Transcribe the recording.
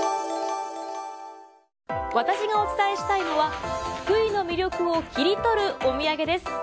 私がお伝えしたいのは福井の魅力をキリトルお土産です。